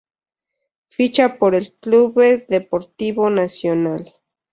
Ficha por el Clube Desportivo Nacional.